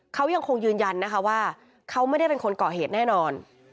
เขายังคงยืนยันนะคะว่าเขาไม่ได้เป็นคนเกาะเหตุแน่นอน